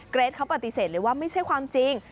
เกรทเขาปฏิเสธเลยว่าไม่ใช่ความจริง